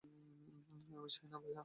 আমি চাই না, ভাইয়া।